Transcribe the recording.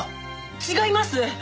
違います！